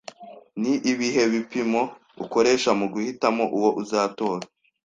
Ni ibihe bipimo ukoresha muguhitamo uwo uzatora?